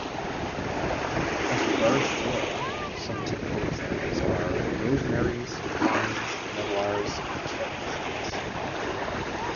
As regards flora, some typical examples are rosemaries, pines, medlars and carobtrees.